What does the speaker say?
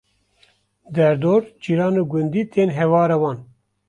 Der dor, cîran û gundî tên hewara wan